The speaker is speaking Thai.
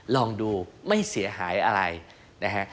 ลองดูไม่เสียหายอะไรนะฮะ